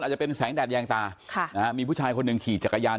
อาจจะเป็นสีแดดแยงตาค่ะอ่ามีผู้ชายคนนึงขี่จักรยาน